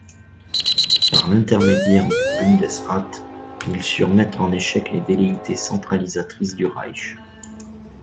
Par l'intermédiaire du Bundesrat, ils surent mettre en échec les velléités centralisatrices du Reich.